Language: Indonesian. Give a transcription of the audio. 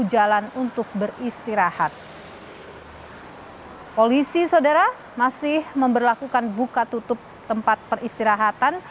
jalan untuk beristirahat hai polisi saudara masih memberlakukan buka tutup tempat peristirahatan